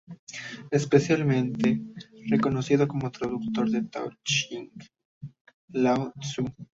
Especialmente reconocido como traductor del Tao Te Ching, de Lao Tzu.